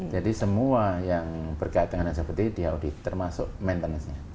jadi semua yang berkait dengan safety diaudit termasuk maintenance nya